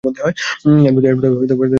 এর মত ওয়েব ধারাবাহিকের চিত্রনাট্য লিখেছেন।